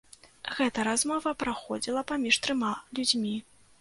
Гэта размова праходзіла паміж трыма людзьмі.